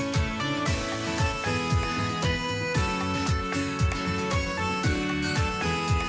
สวัสดีครับ